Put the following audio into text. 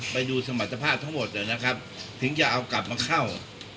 ไปดูสมรรถภาพทั้งหมดนะครับถึงจะเอากลับมาเข้า